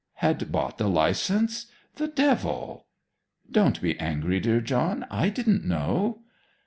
'Had bought the licence! The devil!' 'Don't be angry, dear John. I didn't know!'